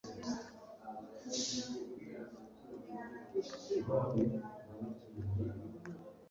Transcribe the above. Igihe Pawulo yitegerezaga ubwiza buhebuje bwari bumukikije